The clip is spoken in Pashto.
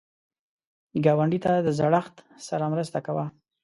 ګاونډي ته د زړښت سره مرسته کوه